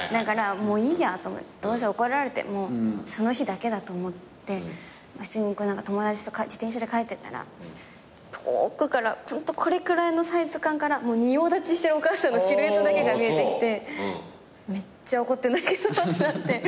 どうせ怒られてもその日だけだと思って普通に友達と自転車で帰ってたら遠くからホントこれくらいのサイズ感から仁王立ちしてるお母さんのシルエットだけが見えてきてめっちゃ怒ってんだけどってなって。